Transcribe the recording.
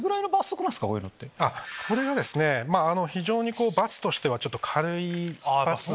これがですね非常に罰としては軽い。